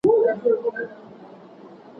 صبر کول د بریا کیلي ده.